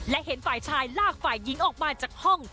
และเห็นฝ่ายชายลากฝ่ายหญิงออกมาจากห้อง